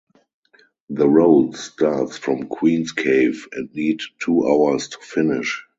The road starts from Queen's Cave and need two hours to finish.